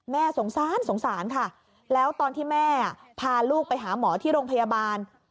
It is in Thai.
สงสารสงสารค่ะแล้วตอนที่แม่พาลูกไปหาหมอที่โรงพยาบาล